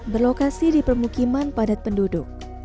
berlokasi di permukiman padat penduduk